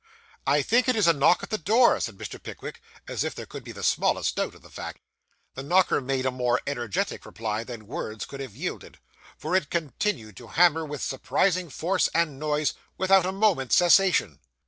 'I think it is a knock at the door,' said Mr. Pickwick, as if there could be the smallest doubt of the fact. The knocker made a more energetic reply than words could have yielded, for it continued to hammer with surprising force and noise, without a moment's cessation.